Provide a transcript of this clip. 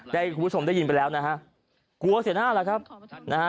คุณผู้ชมได้ยินไปแล้วนะฮะกลัวเสียหน้าแล้วครับนะฮะ